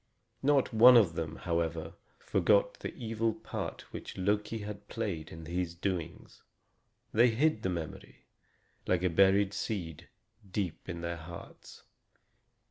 Not one of them, however, forgot the evil part which Loki had played in these doings. They hid the memory, like a buried seed, deep in their hearts.